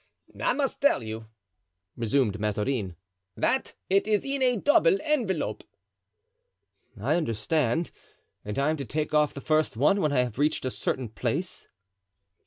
"I must tell you," resumed Mazarin, "that it is in a double envelope." "I understand; and I am to take off the first one when I have reached a certain place?"